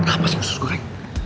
apa sih khusus gue